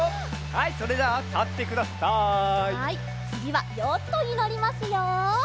はいつぎはヨットにのりますよ。